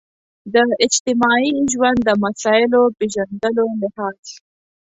د اجتماعي ژوند د مسایلو پېژندلو لحاظ.